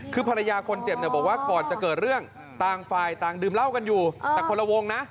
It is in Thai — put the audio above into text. คือภรรยาคนเจ็บเนี่ยบอกว่าก่อนจะเกิดเรื่องต่างฝ่ายต่างดื่มเหล้ากันอยู่แต่คนละวงนะ